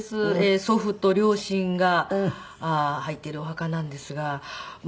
祖父と両親が入っているお墓なんですが。